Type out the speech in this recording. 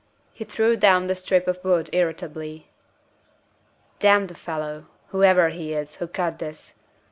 He threw down the strip of wood irritably. "D n the fellow (whoever he is) who cut this!